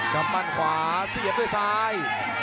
ดำปั่นขวาเสียงด้วยซ้าย